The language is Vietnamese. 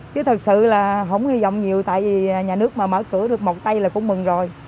chứ thật sự là không hy vọng nhiều tại vì nhà nước mà mở cửa được một tay là cũng mừng rồi